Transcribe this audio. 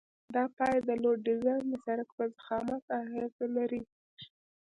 د پایې د لوډ ډیزاین د سرک په ضخامت اغیزه لري